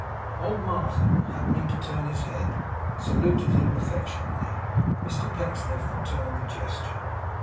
Old Martin happening to turn his head, saluted him affectionately. Mr Pecksniff returned the gesture.